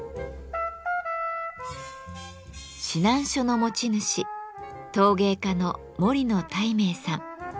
指南書の持ち主陶芸家の森野泰明さん。